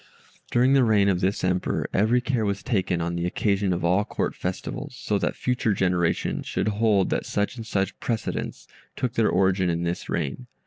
During the reign of this Emperor every care was taken on the occasion of all Court Festivals, so that future generations should hold that such and such precedents took their origin in this reign.